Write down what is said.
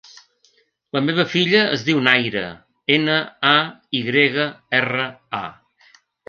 La meva filla es diu Nayra: ena, a, i grega, erra, a.